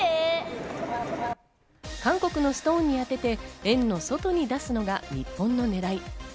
韓国のストーンに当てて円の外に出すのが日本の狙い。